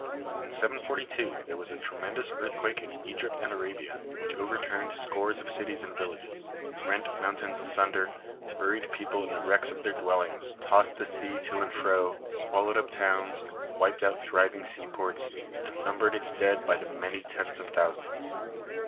In 742 there was a tremendous earthquake in Egypt and Arabia, which overturned scores of cities and villages, rent mountains asunder, buried people in the wrecks of their dwellings, tossed the sea to and fro, swallowed up towns, wiped out thriving seaports, and numbered its dead by many tens of thousands.